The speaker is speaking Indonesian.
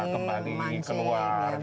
kembali ke luar